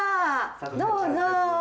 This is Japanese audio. どうぞ。